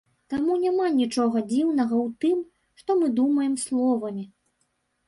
Таму няма нічога дзіўнага ў тым, што мы думаем словамі.